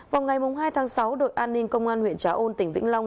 vào ngày hai tháng sáu đội an ninh công an huyện trà ôn tỉnh vĩnh long